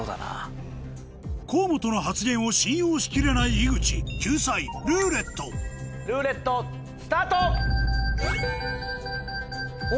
河本の発言を信用しきれない井口救済「ルーレット」ルーレットスタート！